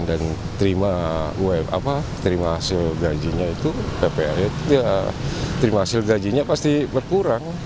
dan terima hasil gajinya itu ppr itu ya terima hasil gajinya pasti berkurang